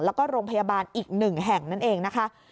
แล้วก็โรงพยาบาลอีก๑แห่งนั่นเองนะคะ